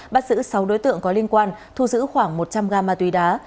bắt giữ sáu đối tượng có liên quan thu giữ khoảng một trăm linh ga ma túy đá